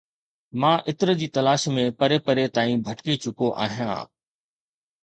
مان عطر جي تلاش ۾ پري پري تائين ڀٽڪي چڪو آهيان